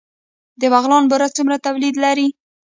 د بغلان بوره څومره تولید لري؟